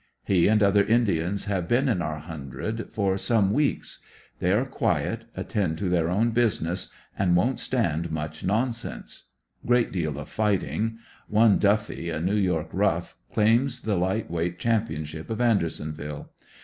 He and other Indians have been in our hundred for some weeks. They are quiet, attend to their own business, and won't stand much nonsense. Great deal of fighting. One Duffy, a New York rough, claims the light weight championship of Andersonville.